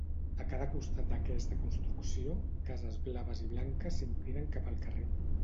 A cada costat d'aquesta construcció, cases blaves i blanques s'inclinen cap al carrer.